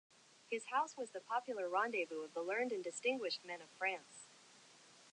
His house was the popular rendezvous of the learned and distinguished men of France.